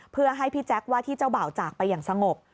เพื่อให้พี่แจ๊คว่าที่เจ้าบ่าวจากไปอย่างสงบ